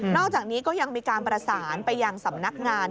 อกจากนี้ก็ยังมีการประสานไปยังสำนักงาน